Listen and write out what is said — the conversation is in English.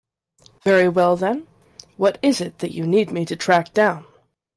Very well then, what is it that you need me to track down?